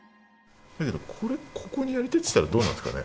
これ、ここにやりたいっていったら、どうなんですかね？